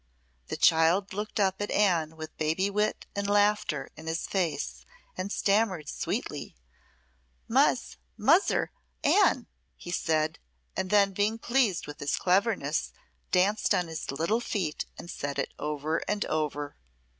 The child looked up at Anne, with baby wit and laughter in his face, and stammered sweetly "Muz Muzzer Anne," he said, and then being pleased with his cleverness, danced on his little feet and said it over and over.